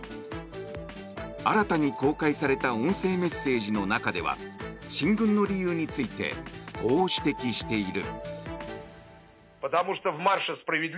新たに公開された音声メッセージの中では進軍の理由についてこう指摘している。